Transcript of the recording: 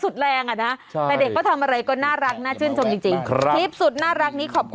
ดูสิดุกดิก